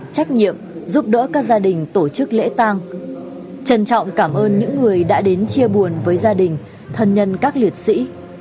chân trọng cảm ơn những người đã đến chia buồn với gia đình thân nhân các liệt sĩ